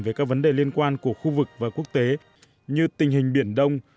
về các vấn đề liên quan của khu vực và quốc tế như tình hình biển đông